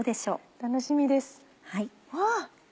楽しみです。